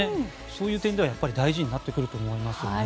そういう点では大事になってくると思いますね。